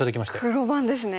黒番ですね。